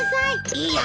いいよ